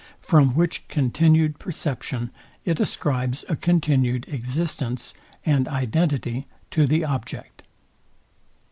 From which continued perception, it ascribes a continued existence and identity to the object.